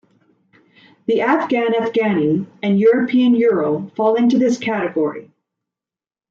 The Afghan afghani and European euro fall into this category.